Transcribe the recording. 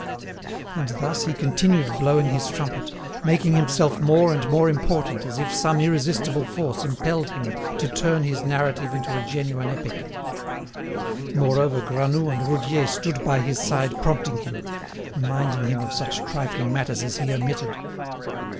And thus he continued blowing his trumpet, making himself more and more important as if some irresistible force impelled him to turn his narrative into a genuine epic. Moreover Granoux and Roudier stood by his side prompting him, reminding him of such trifling matters as he omitted.